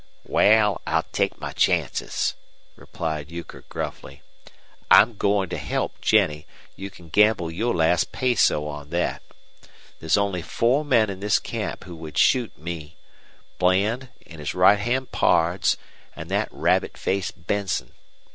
"Wal, I'll take my chances," replied Euchre, gruffly. "I'm goin' to help Jennie, you can gamble your last peso on thet. There's only four men in this camp who would shoot me Bland, an' his right hand pards, an' thet rabbit faced Benson.